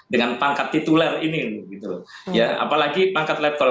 dengan pangkat tituler ini gitu ya apalagi pangkat let call